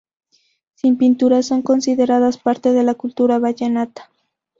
Sus pinturas son consideradas parte de la cultura vallenata.